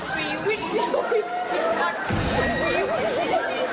โอ้เย่โอ้เย่โอ้โอ้เย่โอ้เย่โอ้เย่